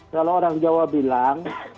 kalau orang jawa bilang